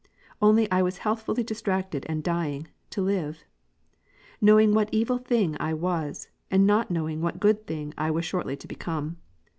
Only I was healthfully distracted and dying, to live; knowing what evil thing I was, and not knowing what good thing I was shortly to become.